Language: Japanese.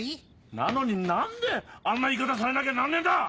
なのに何であんな言い方されなきゃなんねえんだ！